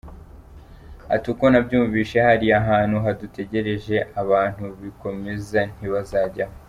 Ati “Uko nabyumvise hariya hantu hadutegereje, abantu bikomeza Ntibazajyaho.